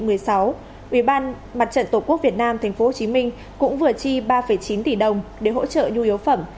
ubnd tp hcm cũng vừa chi ba chín tỷ đồng để hỗ trợ nhu yếu phẩm